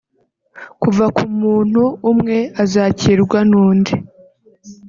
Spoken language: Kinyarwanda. kuva ku muntu umwe azakirwa n’undi